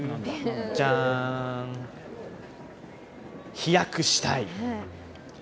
飛躍したい！